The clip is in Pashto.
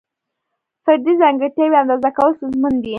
فردي ځانګړتیاوې اندازه کول ستونزمن دي.